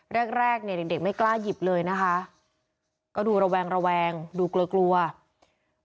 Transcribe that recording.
แรกแรกเนี่ยเด็กเด็กไม่กล้าหยิบเลยนะคะก็ดูระแวงระแวงดูกลัวกลัว